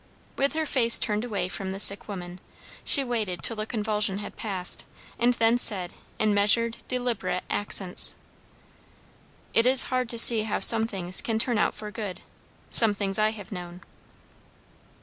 With her face turned away from the sick woman, she waited till the convulsion had passed; and then said in measured, deliberate accents, "It is hard to see how some things can turn out for good some things I have known."